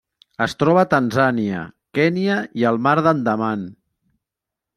Es troba a Tanzània, Kenya i el Mar d'Andaman.